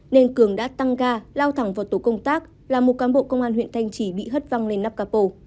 nên cường đã tăng ga lao thẳng vào tổ công tác là một cán bộ công an huyện thanh chỉ bị hất văng lên nắp cà pô